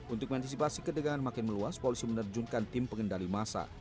untuk mengantisipasi kedegangan makin meluas polisi menerjunkan tim pengendali masa